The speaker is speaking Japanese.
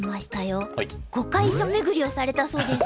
碁会所めぐりをされたそうですね。